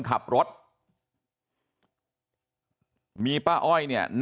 ครับคุณสาวทราบไหมครับ